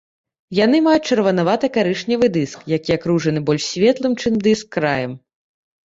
Яны маюць чырванавата-карычневы дыск, які акружаны больш светлым, чым дыск, краем.